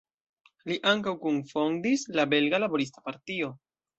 Li ankaŭ kunfondis la Belga Laborista Partio.